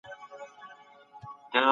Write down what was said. هغه خلګ چي سياست کوي بايد د ولس غم وخوري.